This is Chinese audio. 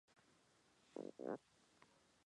石生茶藨子为虎耳草科茶藨子属下的一个种。